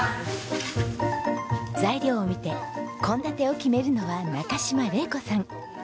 材料を見て献立を決めるのは中島礼子さん。